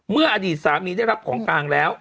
อดีตสามีได้รับของกลางแล้ว